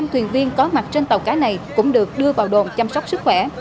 năm thuyền viên có mặt trên tàu cá này cũng được đưa vào đồn chăm sóc sức khỏe